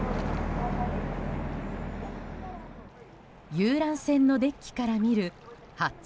遊覧船のデッキから見る八丁